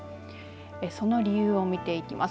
その理由を見ていきます。